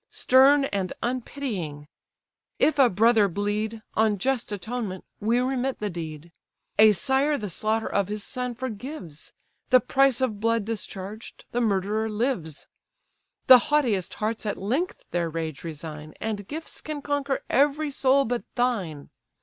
Stern and unpitying! if a brother bleed, On just atonement, we remit the deed; A sire the slaughter of his son forgives; The price of blood discharged, the murderer lives: The haughtiest hearts at length their rage resign, And gifts can conquer every soul but thine.